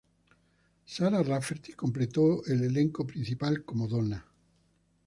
Sarah Rafferty completó el elenco principal como Donna.